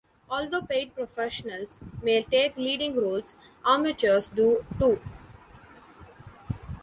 Although paid professionals may take leading roles, amateurs do too.